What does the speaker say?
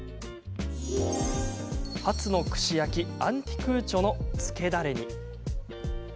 ハツの串焼きアンティクーチョのつけだれに。